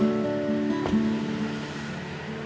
gak usah lo nyesel